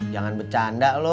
jangan bercanda lo